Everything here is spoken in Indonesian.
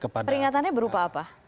peringatannya berupa apa